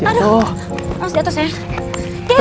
aduh jatuh sayang